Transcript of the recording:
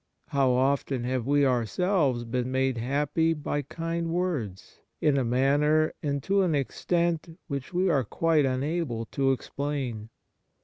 How often have we ourselves been made happy by kind words, in a manner and to an extent which we are quite unable to explain